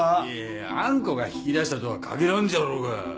いやあん子が引き出したとは限らんじゃろうが！